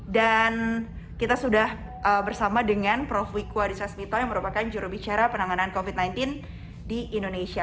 dan kita sudah bersama dengan prof wikwa disasmito yang merupakan jurubicara penanganan covid sembilan belas di indonesia